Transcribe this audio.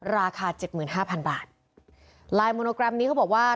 ราคาเจ็ดหมื่นห้าพันบาทไลน์โมโนแกรมนี้เขาบอกว่า